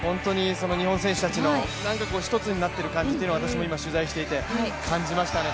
日本選手たちの、一つになっている感じは、私も今、取材していて感じましたね。